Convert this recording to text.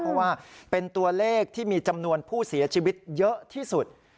เพราะว่าเป็นตัวเลขที่มีจำนวนผู้เสียชีวิตเยอะที่สุด